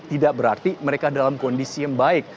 tidak berarti mereka dalam kondisi yang baik